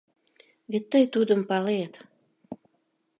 — Вет тый тудым палет.